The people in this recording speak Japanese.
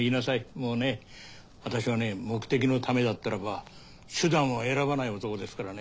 もうね私はね目的のためだったらば手段を選ばない男ですからね。